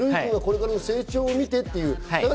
これからの成長を見てと。